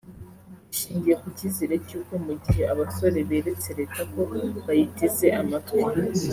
rishingiye ku kizere cy’uko mugihe abasore beretse Leta ko bayiteze amatwi